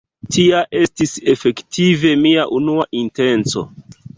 Tia estis efektive mia unua intenco.